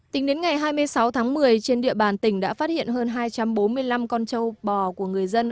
tính đến ngày hai mươi sáu tháng một mươi trên địa bàn tỉnh đã phát hiện hơn hai trăm bốn mươi năm con trâu bò của người dân